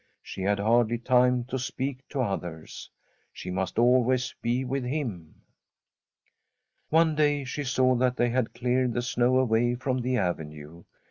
She had hardly time to speak to others. She must always be with him. One day she saw that they had cleared the snow away from the avenue.